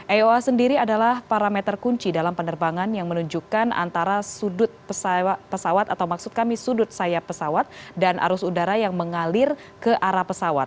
aoa sendiri adalah parameter kunci dalam penerbangan yang menunjukkan antara sudut pesawat atau maksud kami sudut sayap pesawat dan arus udara yang mengalir ke arah pesawat